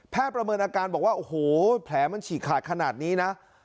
ประเมินอาการบอกว่าโอ้โหแผลมันฉีกขาดขนาดนี้นะ